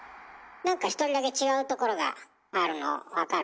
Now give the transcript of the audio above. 何か一人だけ違うところがあるの分かる？